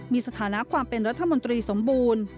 มีสถานะความเป็นรัฐมนตรีสมบูรณ์